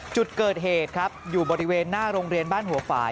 จุดเกิดเหตุครับอยู่บริเวณหน้าโรงเรียนบ้านหัวฝ่าย